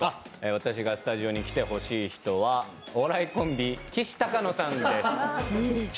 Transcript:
私がスタジオに来てほしい人はお笑いコンビ・きしたかのさんです